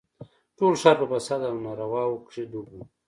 ټول ښار په فساد او نارواوو کښې ډوب و.